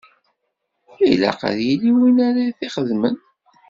Ilaq ad yili win ara t-ixedmen.